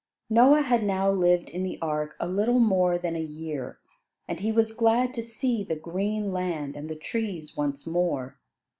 Noah had now lived in the ark a little more than a year, and he was glad to see the green land and the trees once more.